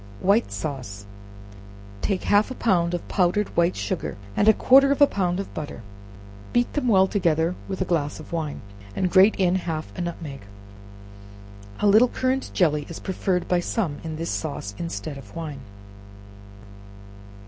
White Sauce. Take half a pound of powdered white sugar, and quarter of a pound of butter, beat them well together with a glass of wine, and grate in half a nutmeg. A little currant jelly is preferred by some in this sauce instead of wine.